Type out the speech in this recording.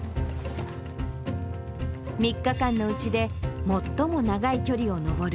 ３日間のうちで、最も長い距離を登る